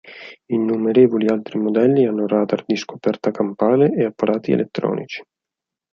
Innumerevoli altri modelli hanno radar di scoperta campale e apparati elettronici.